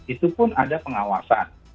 itu pun ada pengawasan